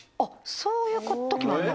そういう時もあんの？